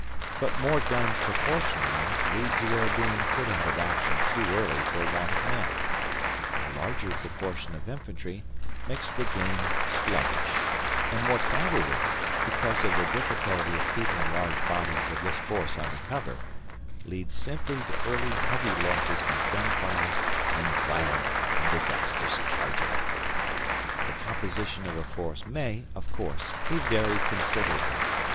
But more guns proportionally lead to their being put out of action too early for want of men; a larger proportion of infantry makes the game sluggish, and more cavalry because of the difficulty of keeping large bodies of this force under cover leads simply to early heavy losses by gunfire and violent and disastrous charging. The composition of a force may, of course, be varied considerably.